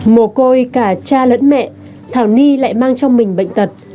mồ côi cả cha lẫn mẹ thảo ni lại mang trong mình bệnh tật